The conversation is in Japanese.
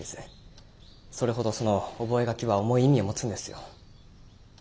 それほどその覚書は重い意味を持つんですよ。